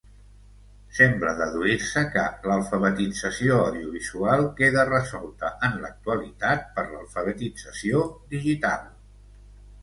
Sembla deduir-se que l'alfabetització audiovisual queda resolta en l'actualitat per l'alfabetització digital.